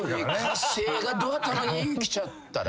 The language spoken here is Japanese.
火星がど頭にきちゃったら。